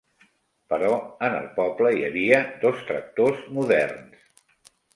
Però en el poble hi havia dos tractors moderns